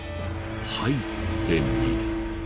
入ってみる。